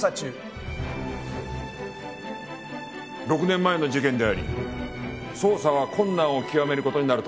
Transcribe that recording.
６年前の事件であり捜査は困難を極める事になると思う。